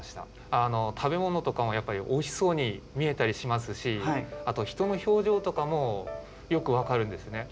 食べ物とかもやっぱりおいしそうに見えたりしますしあと人の表情とかもよく分かるんですね。